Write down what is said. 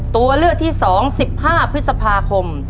ตัวเลือกที่สองสิบห้าพฤษภาคม